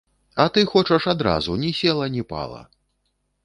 А ты хочаш адразу, ні села, ні пала.